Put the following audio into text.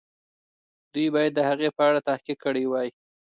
دوی باید د هغې په اړه تحقیق کړی وای.